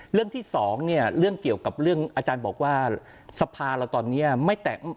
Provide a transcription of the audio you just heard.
เรื่องที่สองเนี่ยเรื่องเกี่ยวกับเรื่องอาจารย์บอกว่าสภาเราตอนนี้ไม่แต่ง